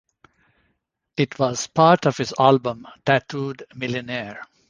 It was part of his album "Tattooed Millionaire".